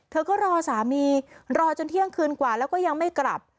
เธอก็รอสามีรอจนเที่ยงคืนกว่าแล้วก็ยังไม่กลับ